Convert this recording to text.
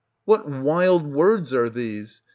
What wild words are these ?